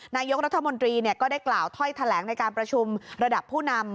นายกรัฐมนตรีก็ได้กล่าวถ้อยแถลงในการประชุมระดับผู้นำ